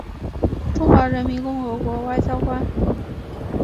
中华人民共和国外交官。